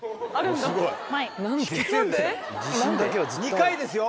２回ですよ。